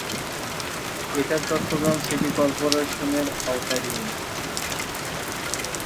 এটা চট্টগ্রাম সিটি কর্পোরেশনের আওতাধীন।